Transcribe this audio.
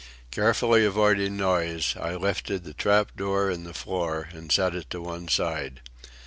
Carefully avoiding noise, I lifted the trap door in the floor and set it to one side.